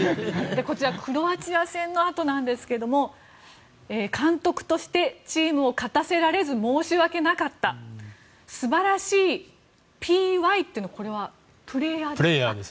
こちらクロアチア戦のあとですが監督としてチームを勝たせられず申し訳なかった素晴らしいＰＹというのはこれはプレーヤーですか？